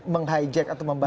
meng hijack atau membaca